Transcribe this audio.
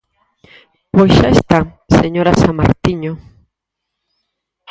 Pois xa está, señora Samartiño.